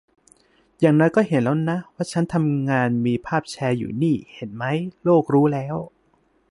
อย่างน้อยก็เห็นแล้วนะ ว่าฉันทำงาน มีภาพแชร์อยู่นี่ เห็นไหม โลกรู้แล้ว